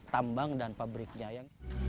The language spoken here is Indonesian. tambang dan pabriknya